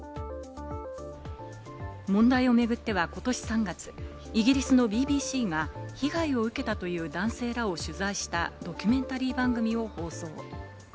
問題を巡ってはことし３月、イギリスのＢＢＣが被害を受けたという男性らを取材したドキュメンタリー番組を放送。